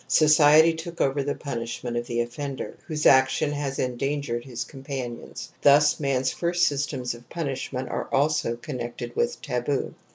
^ M TOTEM AND TABOO ciety took over the punishment of the offender, whose action has endangered his companions. Thus man's first systems of punishment are also V connected with taboo.